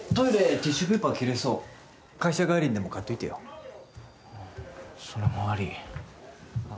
ティッシュペーパー切れそう会社帰りにでも買っておいてよああそれも悪いあっ